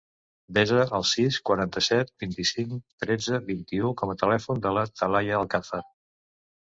Desa el sis, quaranta-set, vint-i-cinc, tretze, vint-i-u com a telèfon de la Thàlia Alcazar.